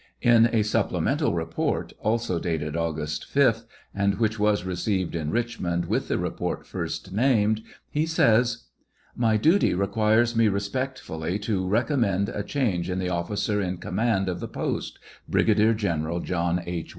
In a supplemental report, also dated August 5th, and which was received in Richmond with the report first named, he enya : My duty requires me respectfully to recommend a change in the officer in command of the post, Brigadier General John H.